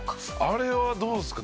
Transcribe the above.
あれはどうですか？